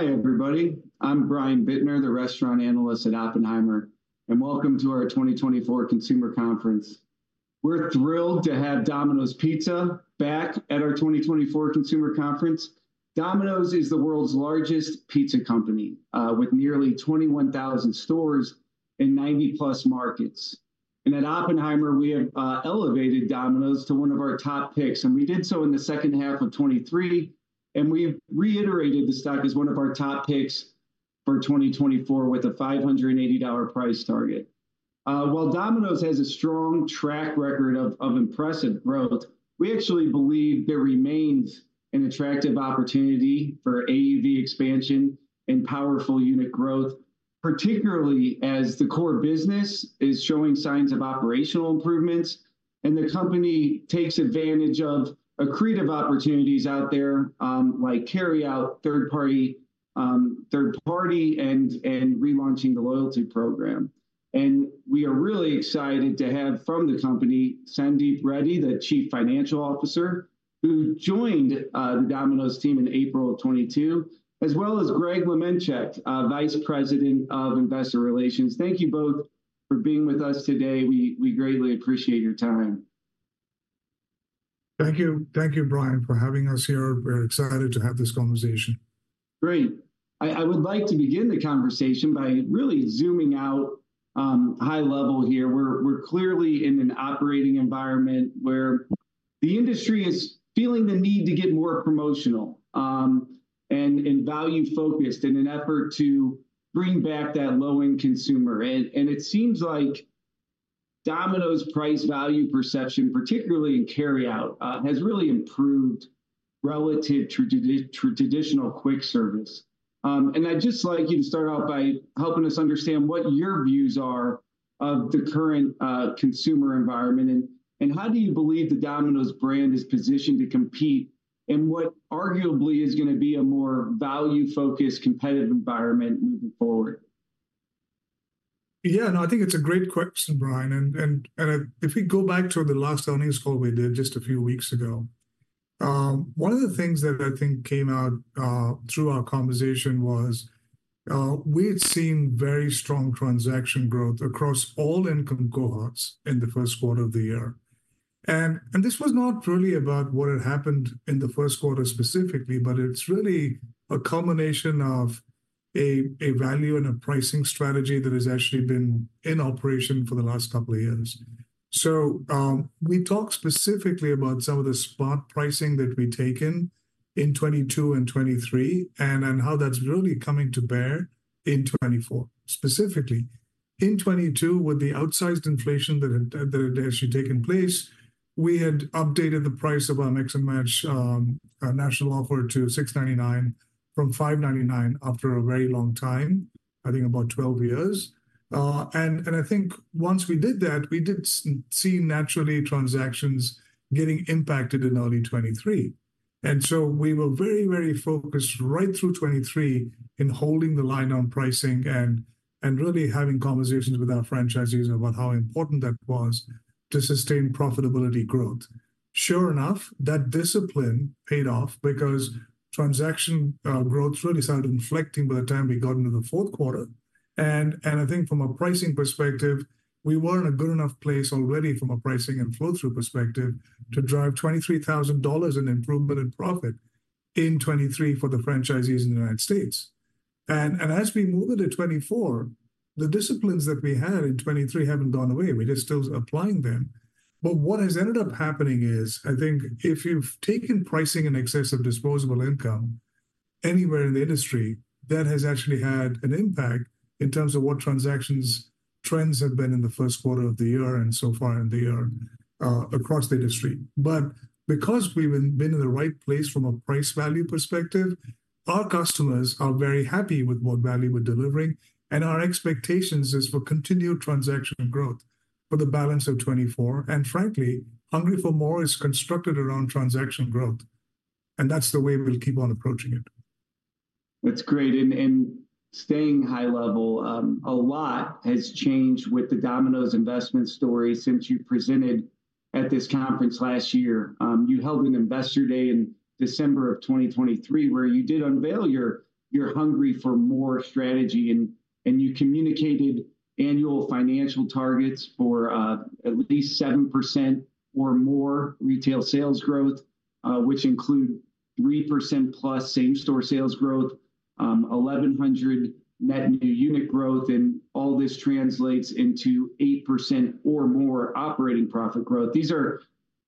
Hi, everybody. I'm Brian Bittner, the restaurant analyst at Oppenheimer, and welcome to our 2024 Consumer Conference. We're thrilled to have Domino's Pizza back at our 2024 Consumer Conference. Domino's is the world's largest pizza company, with nearly 21,000 stores in 90+ markets. And at Oppenheimer, we have elevated Domino's to one of our top picks, and we did so in the second half of 2023, and we have reiterated the stock as one of our top picks for 2024, with a $580 price target. While Domino's has a strong track record of impressive growth, we actually believe there remains an attractive opportunity for AUV expansion and powerful unit growth, particularly as the core business is showing signs of operational improvements and the company takes advantage of accretive opportunities out there, like carry-out, third party, third party, and relaunching the loyalty program. And we are really excited to have, from the company, Sandeep Reddy, the Chief Financial Officer, who joined Domino's team in April of 2022, as well as Greg Lemenchick, Vice President of Investor Relations. Thank you both for being with us today. We, we greatly appreciate your time. Thank you. Thank you, Brian, for having us here. We're excited to have this conversation. Great. I would like to begin the conversation by really zooming out, high level here. We're clearly in an operating environment where the industry is feeling the need to get more promotional and value-focused in an effort to bring back that low-end consumer. And it seems like Domino's price value perception, particularly in carry-out, has really improved relative to traditional quick service. And I'd just like you to start off by helping us understand what your views are of the current consumer environment, and how do you believe the Domino's brand is positioned to compete in what arguably is gonna be a more value-focused, competitive environment moving forward? Yeah, no, I think it's a great question, Brian. And if we go back to the last earnings call we did just a few weeks ago, one of the things that I think came out through our conversation was we had seen very strong transaction growth across all income cohorts in the first quarter of the year. And this was not really about what had happened in the first quarter specifically, but it's really a culmination of a value and a pricing strategy that has actually been in operation for the last couple of years. So, we talked specifically about some of the spot pricing that we'd taken in 2022 and 2023, and how that's really coming to bear in 2024. Specifically, in 2022, with the outsized inflation that had actually taken place, we had updated the price of our Mix and Match national offer to $6.99 from $5.99 after a very long time, I think about 12 years. And I think once we did that, we did see, naturally, transactions getting impacted in early 2023. So we were very, very focused right through 2023 in holding the line on pricing and really having conversations with our franchisees about how important that was to sustain profitability growth. Sure enough, that discipline paid off because transaction growth really started inflecting by the time we got into the fourth quarter. And I think from a pricing perspective, we were in a good enough place already from a pricing and flow-through perspective to drive $23,000 in improvement in profit in 2023 for the franchisees in the United States. And as we move into 2024, the disciplines that we had in 2023 haven't gone away. We're just still applying them. But what has ended up happening is, I think if you've taken pricing in excess of disposable income anywhere in the industry, that has actually had an impact in terms of what transaction trends have been in the first quarter of the year and so far in the year, across the industry. But because we've been in the right place from a price value perspective, our customers are very happy with what value we're delivering, and our expectations is for continued transaction growth for the balance of 2024. Frankly, Hungry for MORE is constructed around transaction growth, and that's the way we'll keep on approaching it. That's great. Staying high level, a lot has changed with the Domino's investment story since you presented at this conference last year. You held an Investor Day in December of 2023, where you did unveil your Hungry for MORE strategy, and you communicated annual financial targets for at least 7% or more retail sales growth, which include 3%+ same-store sales growth, 1,100 net new unit growth, and all this translates into 8% or more operating profit growth. These are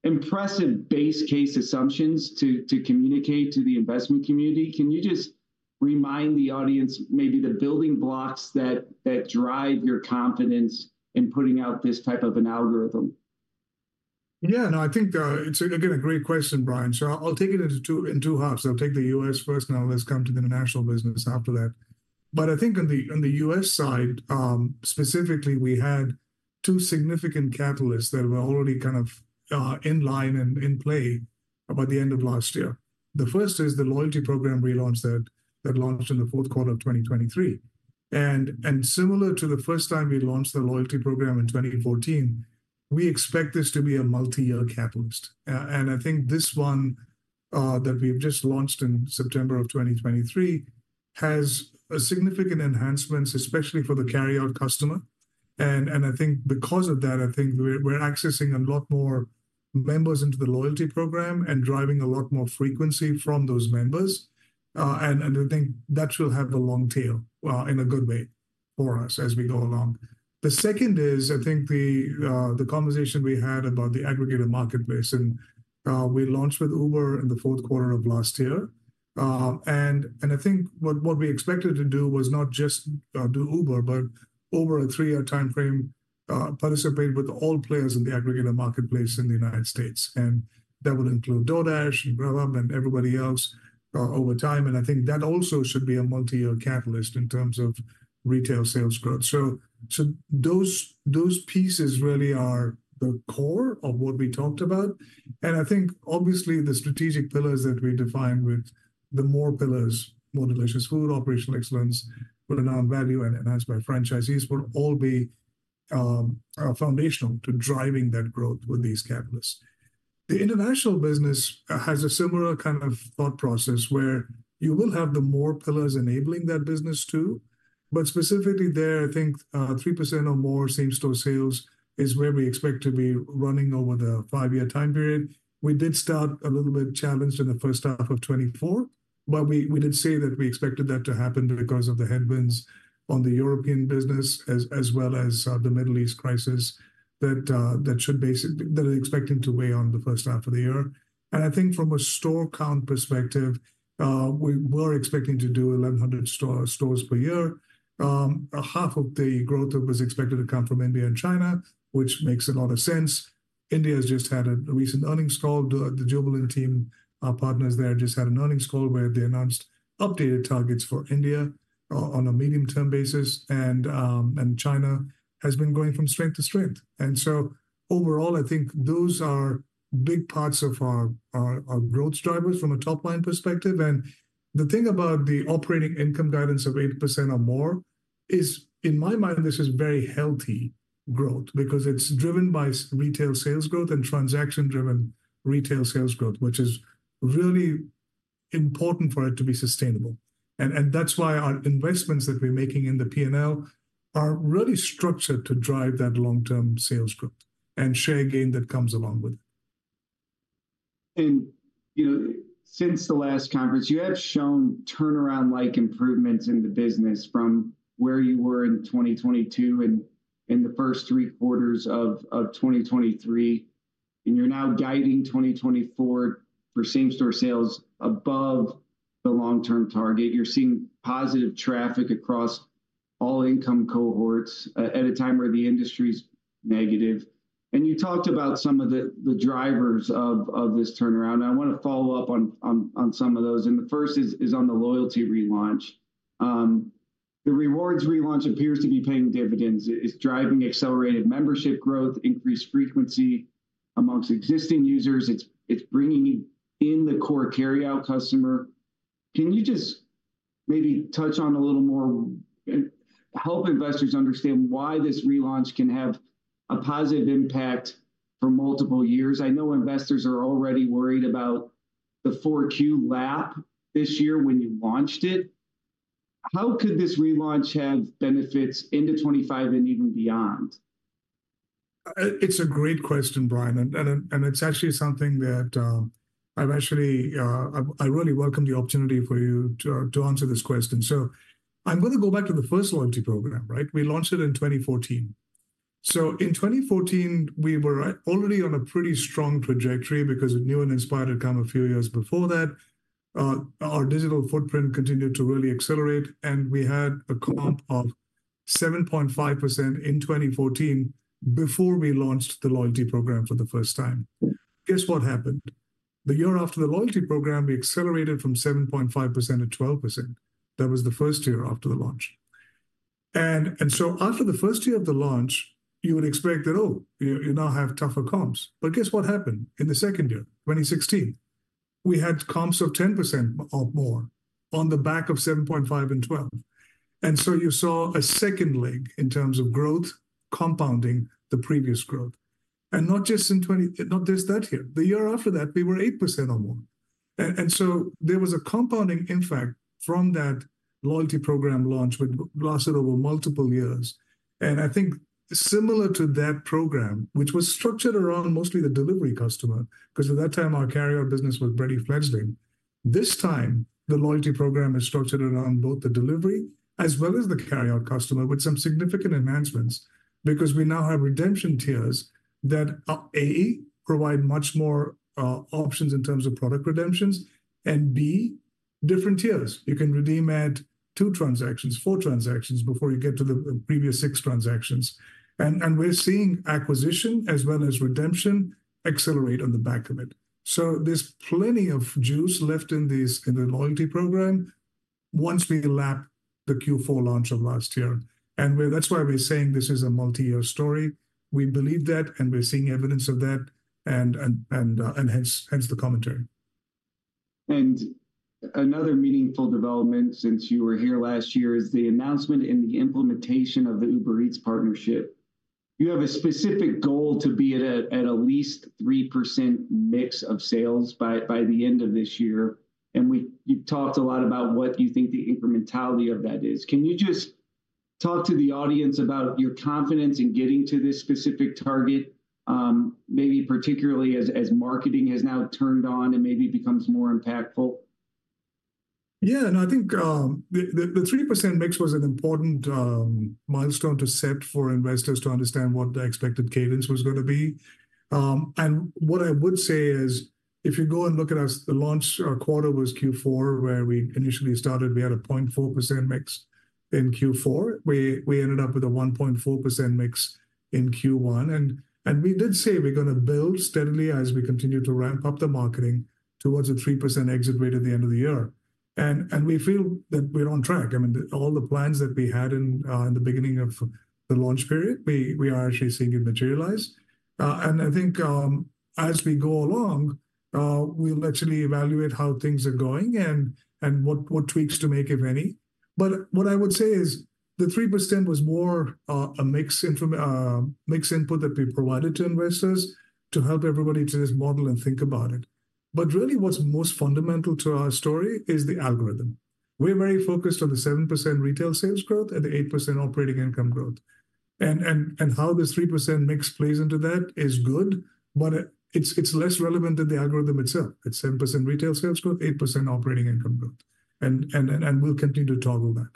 impressive base case assumptions to communicate to the investment community. Can you just remind the audience maybe the building blocks that drive your confidence in putting out this type of an algorithm? Yeah, no, I think, it's, again, a great question, Brian, so I'll take it in two halves. I'll take the U.S. first, and then let's come to the international business after that. But I think on the U.S. side, specifically, we had two significant catalysts that were already kind of in line and in play by the end of last year. The first is the loyalty program relaunch that launched in the fourth quarter of 2023. And similar to the first time we launched the loyalty program in 2014, we expect this to be a multi-year catalyst. And I think this one that we've just launched in September of 2023 has a significant enhancements, especially for the carryout customer. I think because of that, I think we're accessing a lot more members into the loyalty program and driving a lot more frequency from those members. And I think that will have the long tail in a good way for us as we go along. The second is, I think the conversation we had about the aggregator marketplace, and we launched with Uber in the fourth quarter of last year. And I think what we expected to do was not just do Uber, but over a three-year timeframe, participate with all players in the aggregator marketplace in the United States, and that would include DoorDash and Grubhub and everybody else over time. And I think that also should be a multi-year catalyst in terms of retail sales growth. Those pieces really are the core of what we talked about. And I think, obviously, the strategic pillars that we defined with the MORE pillars, More Delicious Food, Operational Excellence, Renowned Value, and Enhanced by Franchisees, will all be foundational to driving that growth with these catalysts. The international business has a similar kind of thought process, where you will have the MORE pillars enabling that business too. But specifically there, I think, 3% or more same-store sales is where we expect to be running over the five-year time period. We did start a little bit challenged in the first half of 2024, but we did say that we expected that to happen because of the headwinds on the European business, as well as the Middle East crisis that are expected to weigh on the first half of the year. I think from a store count perspective, we were expecting to do 1,100 stores per year. Half of the growth that was expected to come from India and China, which makes a lot of sense. India has just had a recent earnings call. The Jubilant team, our partners there, just had an earnings call where they announced updated targets for India on a medium-term basis. And China has been going from strength to strength. And so overall, I think those are big parts of our growth drivers from a top-line perspective. And the thing about the operating income guidance of 8% or more is, in my mind, this is very healthy growth because it's driven by retail sales growth and transaction-driven retail sales growth, which is really important for it to be sustainable. And that's why our investments that we're making in the P&L are really structured to drive that long-term sales growth and share gain that comes along with it. You know, since the last conference, you have shown turnaround-like improvements in the business from where you were in 2022 and in the first 3 quarters of 2023, and you're now guiding 2024 for same-store sales above the long-term target. You're seeing positive traffic across all income cohorts at a time where the industry's negative. You talked about some of the drivers of this turnaround. I want to follow up on some of those, and the first is on the loyalty relaunch. The rewards relaunch appears to be paying dividends. It's driving accelerated membership growth, increased frequency among existing users. It's bringing in the core carryout customer. Can you just maybe touch on a little more and help investors understand why this relaunch can have a positive impact for multiple years? I know investors are already worried about the 4Q lap this year when you launched it. How could this relaunch have benefits into 2025 and even beyond? It's a great question, Brian, and it's actually something that I've actually. I really welcome the opportunity for you to answer this question. So I'm gonna go back to the first loyalty program, right? We launched it in 2014. So in 2014, we were already on a pretty strong trajectory because of New and Inspired had come a few years before that. Our digital footprint continued to really accelerate, and we had a comp of 7.5% in 2014 before we launched the loyalty program for the first time. Guess what happened? The year after the loyalty program, we accelerated from 7.5%-12%. That was the first year after the launch. And so after the first year of the launch, you would expect that, oh, you now have tougher comps. But guess what happened in the second year, 2016? We had comps of 10% or more on the back of 7.5 and 12. And so you saw a second leg in terms of growth, compounding the previous growth. And not just in twenty-- not just that year. The year after that, we were 8% or more. And, and so there was a compounding effect from that loyalty program launch, which lasted over multiple years. And I think similar to that program, which was structured around mostly the delivery customer, 'cause at that time, our carryout business was pretty fledgling. This time, the loyalty program is structured around both the delivery as well as the carryout customer, with some significant enhancements. Because we now have redemption tiers that, A, provide much more options in terms of product redemptions, and B, different tiers. You can redeem at 2 transactions, 4 transactions, before you get to the previous 6 transactions. And we're seeing acquisition as well as redemption accelerate on the back of it. So there's plenty of juice left in these, in the loyalty program once we lap the Q4 launch of last year. And that's why we're saying this is a multi-year story. We believe that, and we're seeing evidence of that, and hence the commentary. And another meaningful development since you were here last year is the announcement and the implementation of the Uber Eats partnership. You have a specific goal to be at least 3% mix of sales by the end of this year, and you've talked a lot about what you think the incrementality of that is. Can you just talk to the audience about your confidence in getting to this specific target, maybe particularly as marketing has now turned on and maybe becomes more impactful? Yeah, no, I think the 3% mix was an important milestone to set for investors to understand what the expected cadence was gonna be. And what I would say is, if you go and look at us, the launch, our quarter was Q4, where we initially started. We had a 0.4% mix in Q4. We ended up with a 1.4% mix in Q1, and we did say we're gonna build steadily as we continue to ramp up the marketing towards a 3% exit rate at the end of the year. And we feel that we're on track. I mean, all the plans that we had in the beginning of the launch period, we are actually seeing it materialize. And I think, as we go along, we'll actually evaluate how things are going and what tweaks to make, if any. But what I would say is, the 3% was more, a mix input that we provided to investors to help everybody to just model and think about it. But really what's most fundamental to our story is the algorithm. We're very focused on the 7% retail sales growth and the 8% operating income growth. And how this 3% mix plays into that is good, but it's less relevant than the algorithm itself. It's 7% retail sales growth, 8% operating income growth, and we'll continue to toggle that.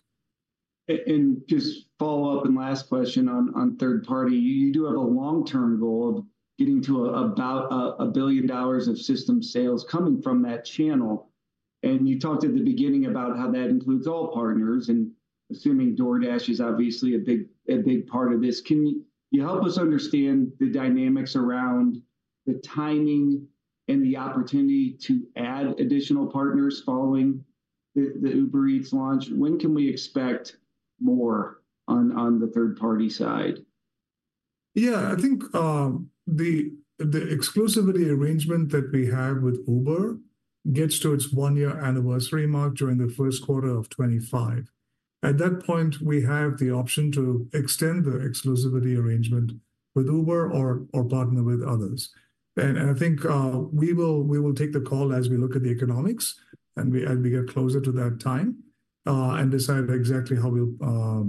And just follow up, and last question on third-party. You do have a long-term goal of getting to about $1 billion of system sales coming from that channel, and you talked at the beginning about how that includes all partners, and assuming DoorDash is obviously a big part of this. Can you help us understand the dynamics around the timing and the opportunity to add additional partners following the Uber Eats launch? When can we expect more on the third-party side? Yeah, I think the exclusivity arrangement that we have with Uber gets to its one-year anniversary mark during the first quarter of 2025. At that point, we have the option to extend the exclusivity arrangement with Uber or partner with others. And I think we will take the call as we look at the economics and we get closer to that time and decide exactly how we'll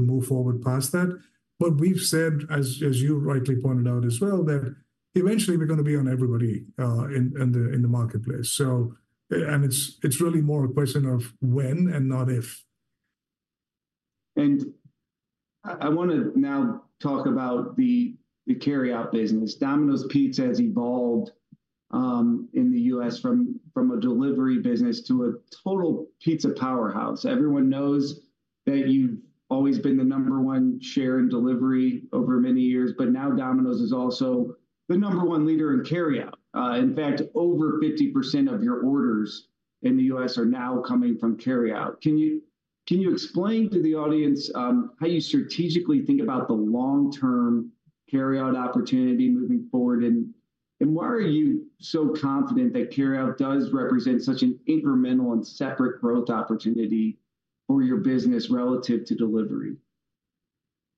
move forward past that. But we've said, as you rightly pointed out as well, that eventually we're gonna be on everybody in the marketplace. So, and it's really more a question of when and not if. And I wanna now talk about the carryout business. Domino's Pizza has evolved in the U.S. from a delivery business to a total pizza powerhouse. Everyone knows that you've always been the number one share in delivery over many years, but now Domino's is also the number one leader in carryout. In fact, over 50% of your orders in the U.S. are now coming from carryout. Can you explain to the audience how you strategically think about the long-term carryout opportunity moving forward? And why are you so confident that carryout does represent such an incremental and separate growth opportunity for your business relative to delivery?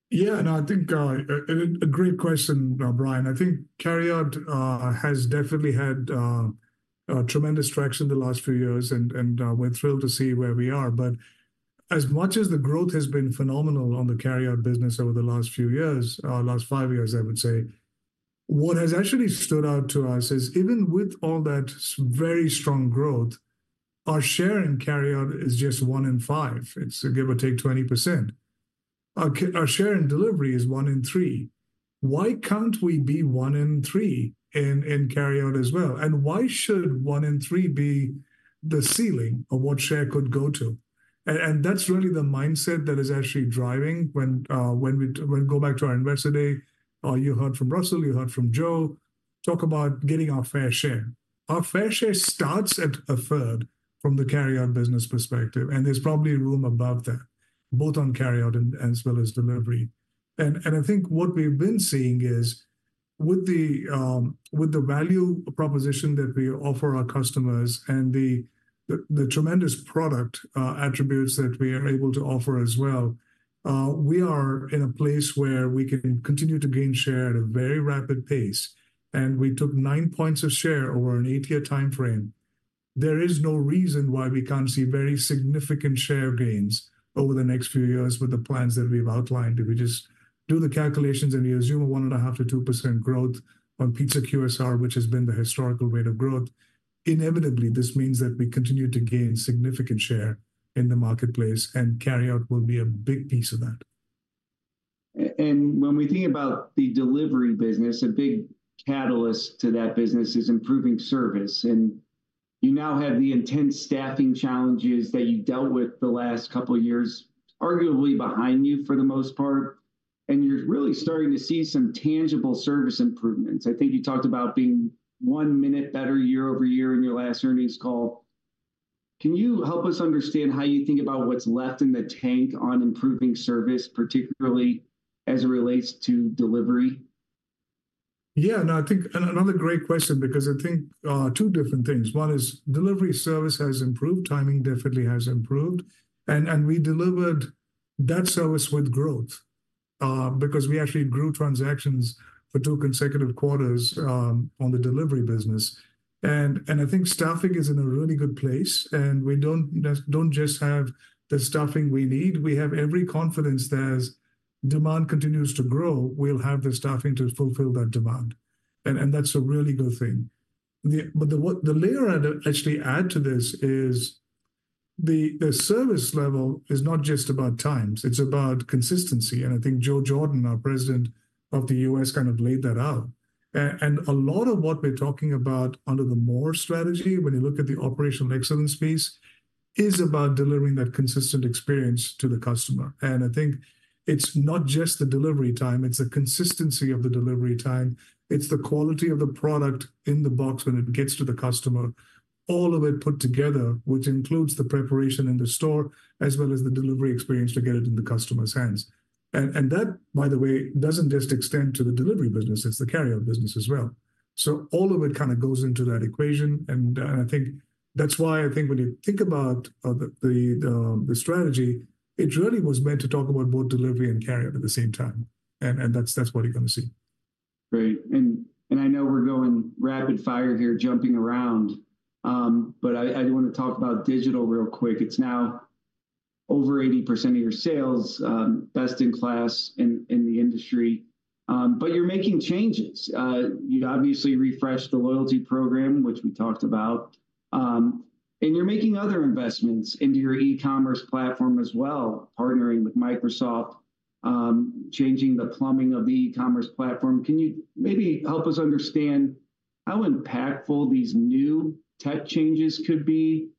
Yeah, no, I think, and a great question, Brian. I think carryout has definitely had tremendous traction the last few years, and we're thrilled to see where we are. But as much as the growth has been phenomenal on the carryout business over the last few years, last 5 years, I would say, what has actually stood out to us is even with all that very strong growth, our share in carryout is just 1 in 5. It's give or take 20%. Our share in delivery is 1 in 3. Why can't we be 1 in 3 in carryout as well? And why should 1 in 3 be the ceiling of what share could go to? And that's really the mindset that is actually driving when we go back to our Investor Day, you heard from Russell, you heard from Joe, talk about getting our fair share. Our fair share starts at a third from the carryout business perspective, and there's probably room above that, both on carryout and, as well as delivery. And I think what we've been seeing is, with the value proposition that we offer our customers and the, the, the tremendous product attributes that we are able to offer as well, we are in a place where we can continue to gain share at a very rapid pace. And we took nine points of share over an eight-year timeframe. There is no reason why we can't see very significant share gains over the next few years with the plans that we've outlined. If we just do the calculations and you assume a 1.5%-2% growth on pizza QSR, which has been the historical rate of growth, inevitably, this means that we continue to gain significant share in the marketplace, and carryout will be a big piece of that. When we think about the delivery business, a big catalyst to that business is improving service. You now have the intense staffing challenges that you dealt with the last couple years arguably behind you for the most part, and you're really starting to see some tangible service improvements. I think you talked about being one minute better year-over-year in your last earnings call. Can you help us understand how you think about what's left in the tank on improving service, particularly as it relates to delivery? Yeah, no, I think, and another great question, because I think, two different things. One is delivery service has improved, timing definitely has improved, and, and we delivered that service with growth, because we actually grew transactions for two consecutive quarters, on the delivery business. And, and I think staffing is in a really good place, and we don't just, don't just have the staffing we need, we have every confidence that as demand continues to grow, we'll have the staffing to fulfill that demand, and, and that's a really good thing. But the layer I'd actually add to this is the service level is not just about times, it's about consistency, and I think Joe Jordan, our President of the U.S., kind of laid that out. A lot of what we're talking about under the MORE strategy, when you look at the operational excellence piece, is about delivering that consistent experience to the customer. And I think it's not just the delivery time, it's the consistency of the delivery time, it's the quality of the product in the box when it gets to the customer. All of it put together, which includes the preparation in the store, as well as the delivery experience to get it in the customer's hands. And that, by the way, doesn't just extend to the delivery business, it's the carry-out business as well. So all of it kind of goes into that equation, and I think that's why I think when you think about the strategy, it really was meant to talk about both delivery and carry-out at the same time, and that's what you're gonna see. Great. And I know we're going rapid fire here, jumping around, but I do wanna talk about digital real quick. It's now over 80% of your sales, best-in-class in the industry. But you're making changes. You've obviously refreshed the loyalty program, which we talked about, and you're making other investments into your e-commerce platform as well, partnering with Microsoft, changing the plumbing of the e-commerce platform. Can you maybe help us understand how impactful these new tech changes could be,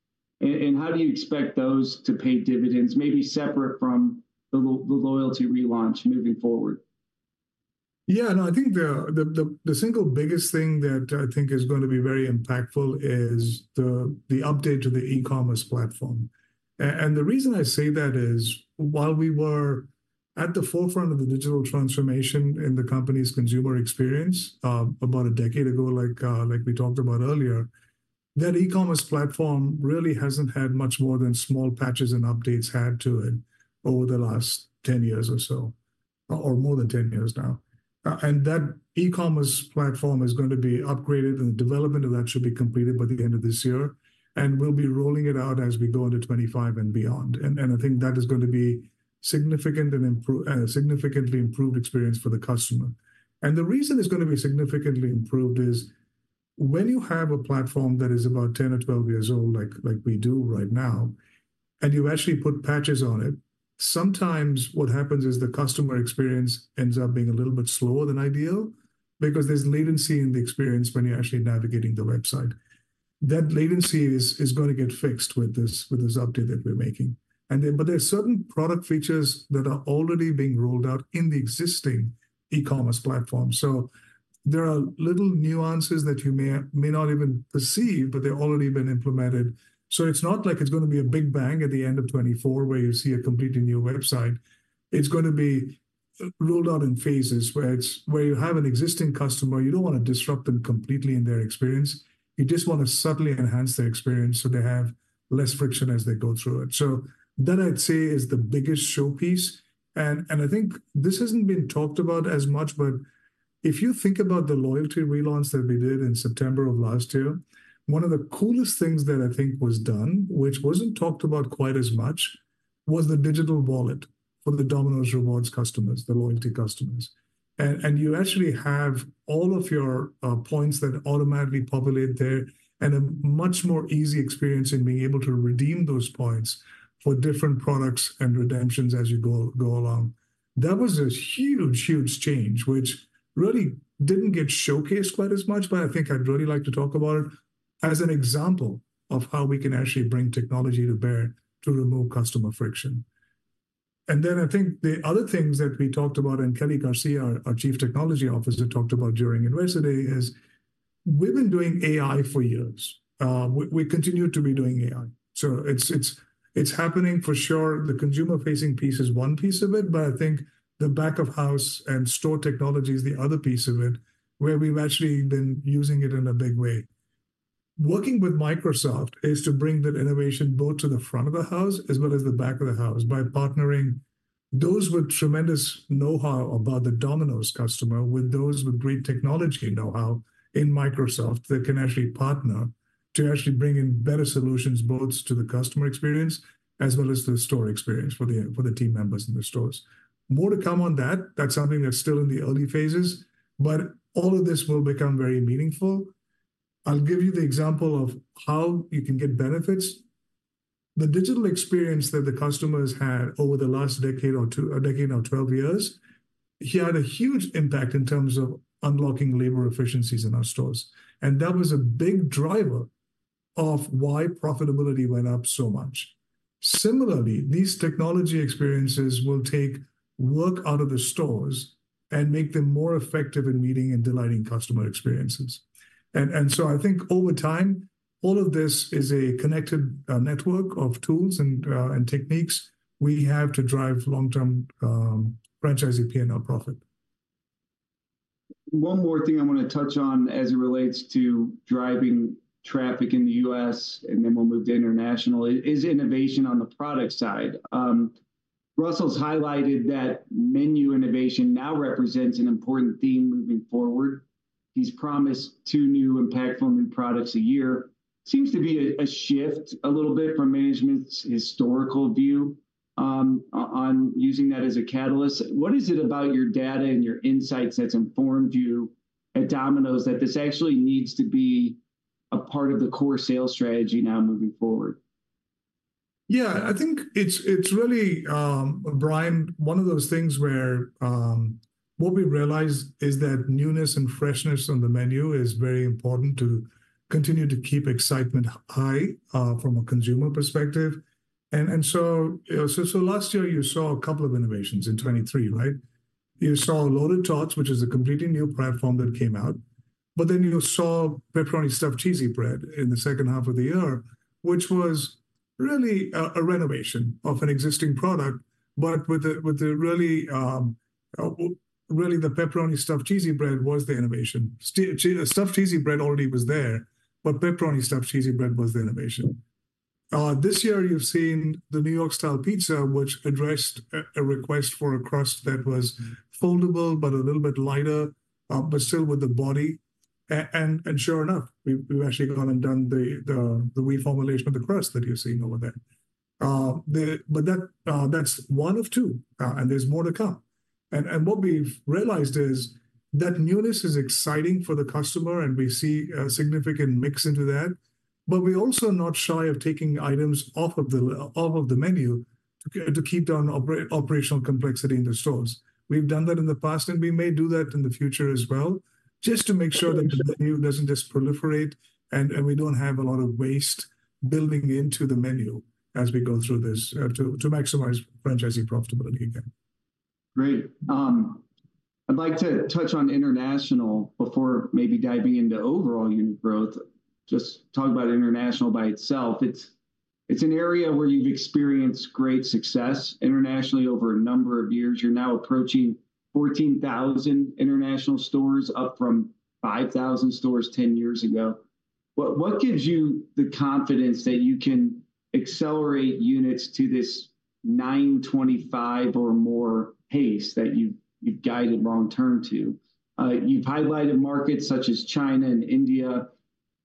and how do you expect those to pay dividends, maybe separate from the loyalty relaunch moving forward? Yeah, no, I think the single biggest thing that I think is going to be very impactful is the update to the e-commerce platform. And the reason I say that is, while we were at the forefront of the digital transformation in the company's consumer experience, about a decade ago, like we talked about earlier, that e-commerce platform really hasn't had much more than small patches and updates had to it over the last 10 years or so, or more than 10 years now. And that e-commerce platform is going to be upgraded, and the development of that should be completed by the end of this year, and we'll be rolling it out as we go into 2025 and beyond. And I think that is going to be significant and a significantly improved experience for the customer. The reason it's gonna be significantly improved is, when you have a platform that is about 10 or 12 years old, like, like we do right now, and you actually put patches on it, sometimes what happens is the customer experience ends up being a little bit slower than ideal because there's latency in the experience when you're actually navigating the website. That latency is gonna get fixed with this update that we're making. But there are certain product features that are already being rolled out in the existing e-commerce platform. So there are little nuances that you may not even perceive, but they've already been implemented. So it's not like it's gonna be a big bang at the end of 2024, where you see a completely new website. It's going to be rolled out in phases, where it's. Where you have an existing customer, you don't wanna disrupt them completely in their experience. You just wanna subtly enhance their experience so they have less friction as they go through it. So that, I'd say, is the biggest showpiece. And I think this hasn't been talked about as much, but if you think about the loyalty relaunch that we did in September of last year, one of the coolest things that I think was done, which wasn't talked about quite as much, was the digital wallet for the Domino's Rewards customers, the loyalty customers. And you actually have all of your points that automatically populate there, and a much more easy experience in being able to redeem those points for different products and redemptions as you go along. That was a huge, huge change, which really didn't get showcased quite as much, but I think I'd really like to talk about it as an example of how we can actually bring technology to bear to remove customer friction. And then I think the other things that we talked about, and Kelly Garcia, our Chief Technology Officer, talked about during Investor Day, is we've been doing AI for years. We continue to be doing AI. So it's happening for sure. The consumer-facing piece is one piece of it, but I think the back of house and store technology is the other piece of it, where we've actually been using it in a big way. Working with Microsoft is to bring that innovation both to the front of the house, as well as the back of the house, by partnering those with tremendous know-how about the Domino's customer, with those with great technology know-how in Microsoft, that can actually partner to actually bring in better solutions, both to the customer experience, as well as the store experience for the, for the team members in the stores. More to come on that. That's something that's still in the early phases, but all of this will become very meaningful. I'll give you the example of how you can get benefits. The digital experience that the customers had over the last decade or 2, a decade or 12 years, had a huge impact in terms of unlocking labor efficiencies in our stores, and that was a big driver of why profitability went up so much. Similarly, these technology experiences will take work out of the stores and make them more effective in meeting and delighting customer experiences. And so I think over time all of this is a connected network of tools and techniques we have to drive long-term franchisee P&L profit. One more thing I wanna touch on as it relates to driving traffic in the U.S., and then we'll move to international, is innovation on the product side. Russell's highlighted that menu innovation now represents an important theme moving forward. He's promised two new impactful new products a year. Seems to be a shift a little bit from management's historical view, on using that as a catalyst. What is it about your data and your insights that's informed you at Domino's that this actually needs to be a part of the core sales strategy now moving forward? Yeah, I think it's really, Brian, one of those things where what we realized is that newness and freshness on the menu is very important to continue to keep excitement high from a consumer perspective. And so last year you saw a couple of innovations in 2023, right? You saw Loaded Tots, which is a completely new platform that came out, but then you saw Pepperoni Stuffed Cheesy Bread in the second half of the year, which was really a renovation of an existing product, but with a really. Well, really, the Pepperoni Stuffed Cheesy Bread was the innovation. Stuffed Cheesy Bread already was there, but Pepperoni Stuffed Cheesy Bread was the innovation. This year you've seen the New York-style pizza, which addressed a request for a crust that was foldable but a little bit lighter, but still with the body. And sure enough, we've actually gone and done the reformulation of the crust that you're seeing over there. But that, that's one of two, and there's more to come. And what we've realized is that newness is exciting for the customer, and we see a significant mix into that, but we're also not shy of taking items off of the menu to keep down operational complexity in the stores. We've done that in the past, and we may do that in the future as well, just to make sure that the menu doesn't just proliferate and we don't have a lot of waste building into the menu as we go through this, to maximize franchising profitability again. Great. I'd like to touch on international before maybe diving into overall unit growth. Just talk about international by itself. It's, it's an area where you've experienced great success internationally over a number of years. You're now approaching 14,000 international stores, up from 5,000 stores 10 years ago. What, what gives you the confidence that you can accelerate units to this 925 or more pace that you've, you've guided long-term to? You've highlighted markets such as China and India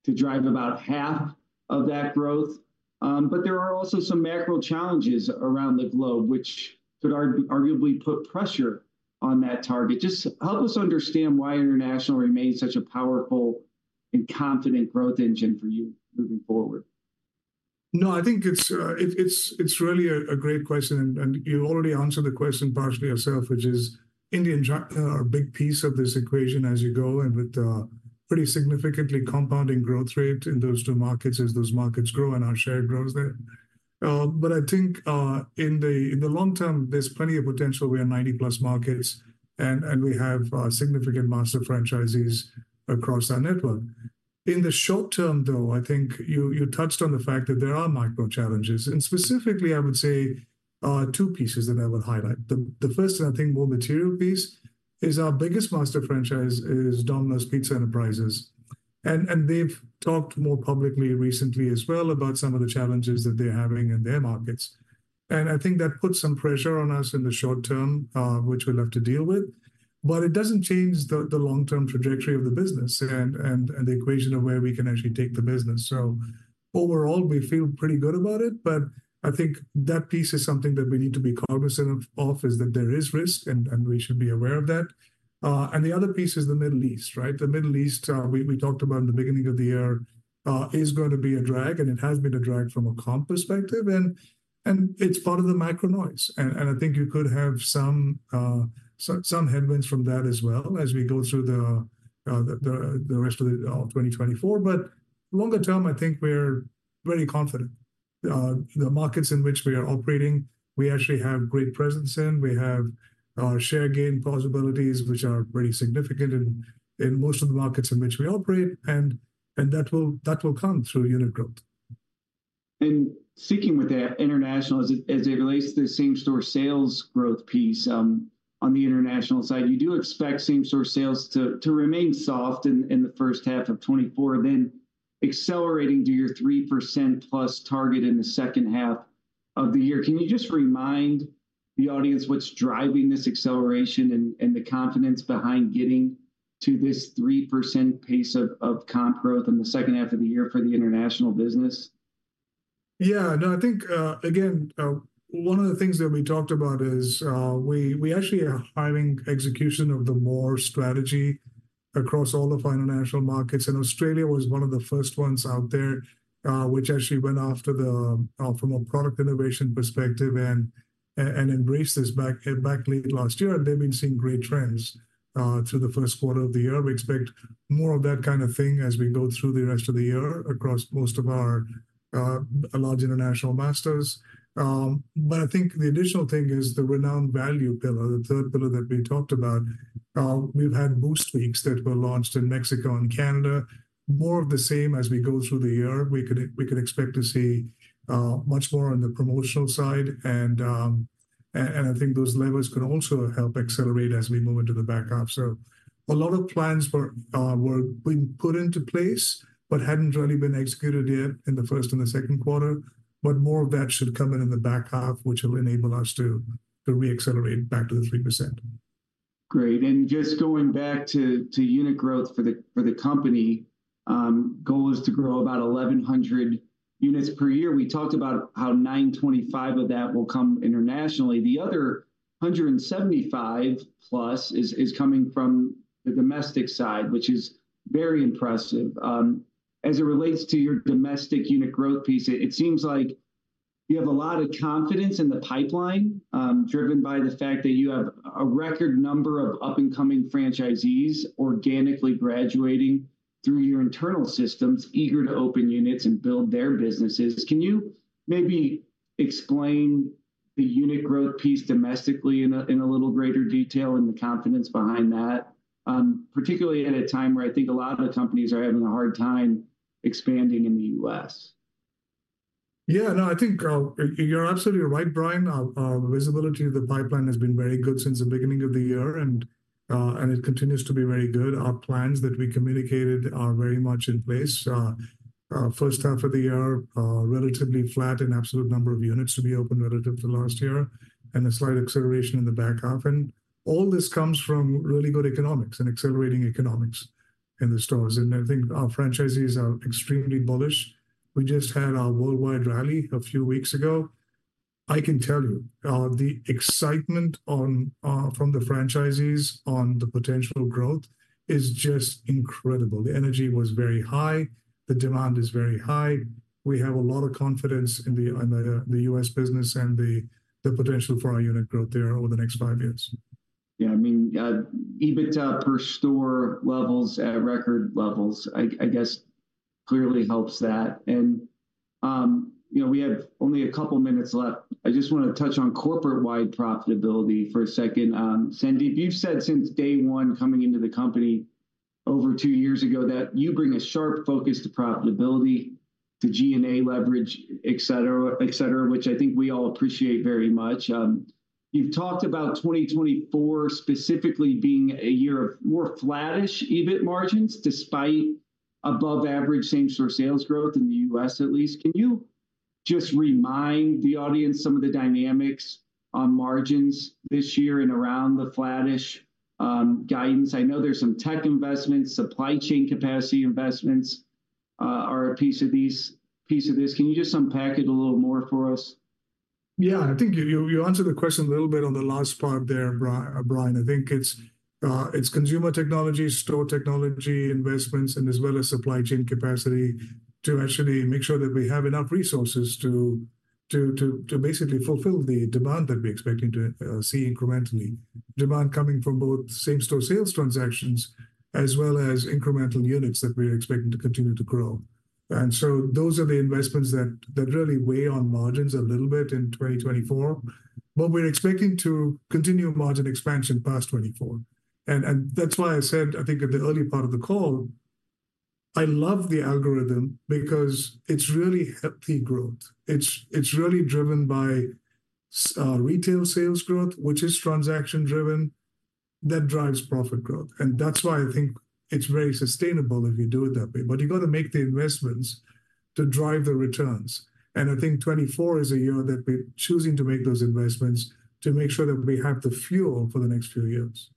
to drive about half of that growth, but there are also some macro challenges around the globe which could arguably put pressure on that target. Just help us understand why international remains such a powerful and confident growth engine for you moving forward. No, I think it's really a great question, and you already answered the question partially yourself, which is India and China are a big piece of this equation as you go, and with pretty significantly compounding growth rate in those two markets as those markets grow and our share grows there. But I think in the long term, there's plenty of potential. We are 90-plus markets, and we have significant master franchisees across our network. In the short term, though, I think you touched on the fact that there are macro challenges, and specifically, I would say two pieces that I would highlight. The first and I think more material piece is our biggest master franchise is Domino's Pizza Enterprises, and they've talked more publicly recently as well about some of the challenges that they're having in their markets. I think that puts some pressure on us in the short term, which we'll have to deal with, but it doesn't change the long-term trajectory of the business and the equation of where we can actually take the business. So overall, we feel pretty good about it, but I think that piece is something that we need to be cognizant of is that there is risk, and we should be aware of that. And the other piece is the Middle East, right? The Middle East, we talked about in the beginning of the year, is going to be a drag, and it has been a drag from a comp perspective, and it's part of the macro noise. And I think you could have some headwinds from that as well as we go through the rest of 2024. But longer term, I think we're very confident. The markets in which we are operating, we actually have great presence in. We have share gain possibilities, which are pretty significant in most of the markets in which we operate, and that will come through unit growth. Sticking with that, international, as it relates to the same-store sales growth piece, on the international side, you do expect same-store sales to remain soft in the first half of 2024, then accelerating to your 3%+ target in the second half of the year. Can you just remind the audience what's driving this acceleration and the confidence behind getting to this 3% pace of comp growth in the second half of the year for the international business? Yeah, no, I think, again, one of the things that we talked about is, we actually are hiring execution of the MORE strategy across all of our international markets, and Australia was one of the first ones out there, which actually went after the, from a product innovation perspective and embraced this back late last year, and they've been seeing great trends through the first quarter of the year. We expect more of that kind of thing as we go through the rest of the year across most of our large international masters. But I think the additional thing is the renowned value pillar, the third pillar that we talked about. We've had Boost Weeks that were launched in Mexico and Canada. More of the same as we go through the year. We could expect to see much more on the promotional side and, and I think those levers can also help accelerate as we move into the back half. So a lot of plans were being put into place, but hadn't really been executed yet in the first and the second quarter. But more of that should come in in the back half, which will enable us to re-accelerate back to the 3%. Great. Just going back to unit growth for the company, goal is to grow about 1,100 units per year. We talked about how 925 of that will come internationally. The other 175 plus is coming from the domestic side, which is very impressive. As it relates to your domestic unit growth piece, it seems like you have a lot of confidence in the pipeline, driven by the fact that you have a record number of up-and-coming franchisees organically graduating through your internal systems, eager to open units and build their businesses. Can you maybe explain the unit growth piece domestically in a little greater detail and the confidence behind that, particularly at a time where I think a lot of the companies are having a hard time expanding in the U.S.? Yeah, no, I think you're absolutely right, Brian. The visibility of the pipeline has been very good since the beginning of the year, and it continues to be very good. Our plans that we communicated are very much in place. First half of the year, relatively flat in absolute number of units to be opened relative to last year, and a slight acceleration in the back half. And all this comes from really good economics and accelerating economics in the stores, and I think our franchisees are extremely bullish. We just had our worldwide rally a few weeks ago. I can tell you, the excitement from the franchisees on the potential growth is just incredible. The energy was very high. The demand is very high. We have a lot of confidence in the U.S. business and the potential for our unit growth there over the next five years. Yeah, I mean, EBITDA per store levels at record levels, I guess, clearly helps that. And, you know, we have only a couple minutes left. I just wanna touch on corporate-wide profitability for a second. Sandeep, you've said since day one coming into the company over two years ago, that you bring a sharp focus to profitability, to G&A leverage, et cetera, et cetera, which I think we all appreciate very much. You've talked about 2024 specifically being a year of more flattish EBIT margins, despite above average same-store sales growth in the U.S., at least. Can you just remind the audience some of the dynamics on margins this year and around the flattish, guidance? I know there's some tech investments, supply chain capacity investments, are a piece of these, piece of this. Can you just unpack it a little more for us? Yeah, I think you answered the question a little bit on the last part there, Brian. I think it's consumer technology, store technology investments, and as well as supply chain capacity to actually make sure that we have enough resources to basically fulfill the demand that we're expecting to see incrementally. Demand coming from both same-store sales transactions, as well as incremental units that we're expecting to continue to grow. And so those are the investments that really weigh on margins a little bit in 2024. But we're expecting to continue margin expansion past 2024, and that's why I said, I think at the early part of the call, I love the algorithm because it's really healthy growth. It's, it's really driven by retail sales growth, which is transaction-driven, that drives profit growth, and that's why I think it's very sustainable if you do it that way. But you've got to make the investments to drive the returns, and I think 2024 is a year that we're choosing to make those investments to make sure that we have the fuel for the next few years.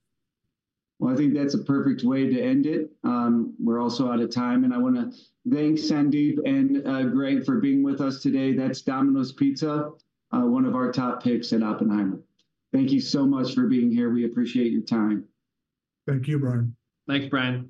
Well, I think that's a perfect way to end it. We're also out of time, and I wanna thank Sandeep and Greg for being with us today. That's Domino's Pizza, one of our top picks at Oppenheimer. Thank you so much for being here. We appreciate your time. Thank you, Brian. Thanks, Brian.